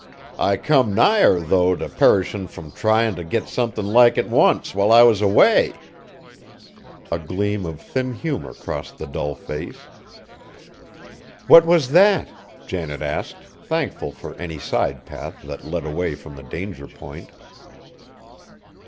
I come nigher, though, t' perishin' frum tryin' t' get somethin' like it once, while I was away!" A gleam of thin humor crossed the dull face. "What was that?" Janet asked, thankful for any side path that led away from the danger point.